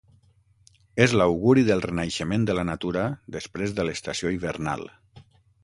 És l'auguri del renaixement de la natura després de l'estació hivernal.